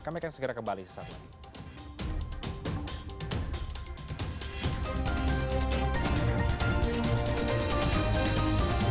kami akan segera kembali saat lagi